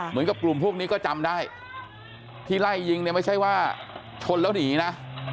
เหมือนกับกลุ่มพวกนี้ก็จำได้ที่ไล่ยิงเนี่ยไม่ใช่ว่าชนแล้วหนีนะ